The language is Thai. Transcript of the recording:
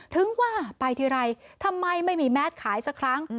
ถึงว่าไปทีไรทำไมไม่มีแมสขายสักครั้ง